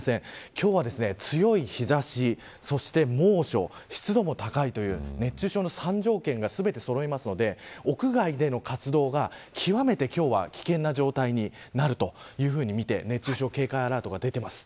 今日は強い日差しそして猛暑、湿度も高いという熱中症の３条件が全てそろいますので屋外での活動は極めて危険な状態になるというふうにみて熱中症警戒アラートがきています。